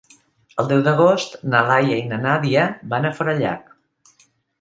El deu d'agost na Laia i na Nàdia van a Forallac.